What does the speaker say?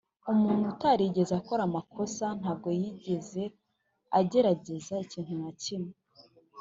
umuntu utarigeze akora amakosa ntabwo yigeze agerageza ikintu na kimwe.